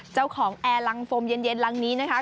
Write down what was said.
เจ้าของแอร์รังโฟมเย็นลังนี้นะคะ